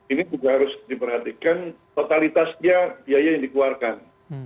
ini juga harus diperhatikan totalitasnya biaya yang dikeluarkan